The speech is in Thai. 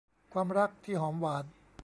ความรักที่หอมหวาน